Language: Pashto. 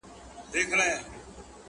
زه د جانان میني پخوا وژلې ومه؛